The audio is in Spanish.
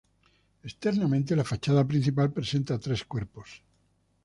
Externamente la fachada principal presenta tres cuerpos.